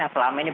yang selama ini